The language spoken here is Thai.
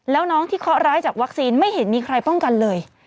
แล้วน้องที่เคาะร้ายจากวัคซีนไม่เห็นมีใครป้องกันเลย